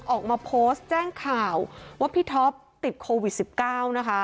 ออกมาโพสต์แจ้งข่าวว่าพี่ท็อปติดโควิด๑๙นะคะ